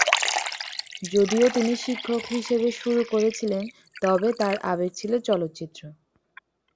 যদিও তিনি শিক্ষক হিসাবে শুরু করেছিলেন, তবে তার আবেগ ছিল চলচ্চিত্র।